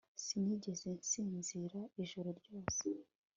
sinigeze nsinzira ijoro ryose